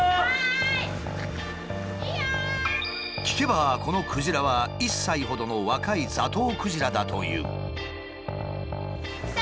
聞けばこのクジラは１歳ほどの若いザトウクジラだという。